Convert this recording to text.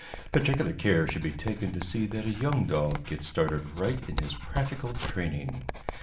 Particular care should be taken to see that a young dog gets started right in his practical training.